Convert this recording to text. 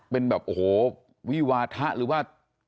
เป็นแบบโอ้โหวิวาทะหรือว่า